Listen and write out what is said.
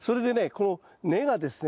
この根がですね